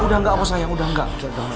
udah nggak apa sayang udah enggak